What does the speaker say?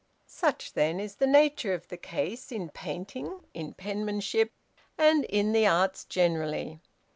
"Such then is the nature of the case in painting, in penmanship, and in the arts generally.